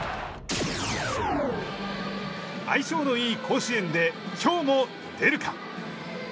相性のいい甲子園で今日も出るか。